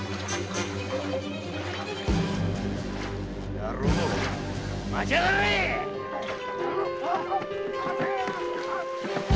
野郎待ちやがれっ‼